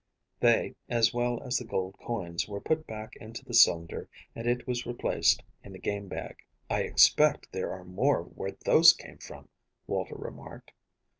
They, as well as the gold coins, were put back into the cylinder, and it was replaced in the game bag. "I expect there are more where those came from," Walter remarked.